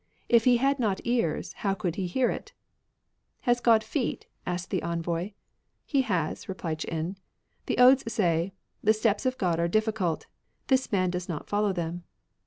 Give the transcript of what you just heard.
If He had not ears, how could He hear it ?'*" Has God feet ?" asked the envoy. " He has/' replied Ch'in. " The Odea say, The steps of God are difficult; This man does not follow them.